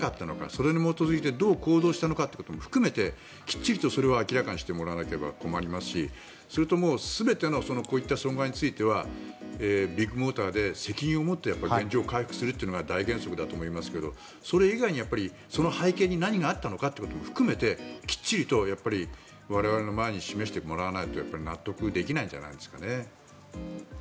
それに基づいてどう行動したのかってことも含めてきっちりとそれは明らかにしてもらわないと困りますしそれと、全てのこういった損害についてはビッグモーターで責任を持って原状回復するというのが大原則だと思いますけどそれ以外に、その背景に何があったかというのも含めてきっちりと我々の前に示してもらわないと納得できないんじゃないですかね。